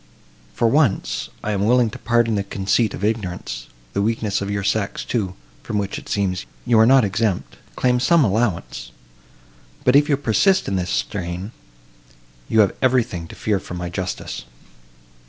For once, I am willing to pardon the conceit of ignorance; the weakness of your sex, too, from which, it seems, you are not exempt, claims some allowance; but, if you persist in this strain—you have everything to fear from my justice."